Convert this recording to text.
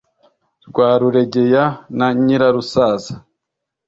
rwa ruregeya na nyirarusaza.